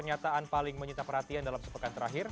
pernyataan paling menyita perhatian dalam sepekan terakhir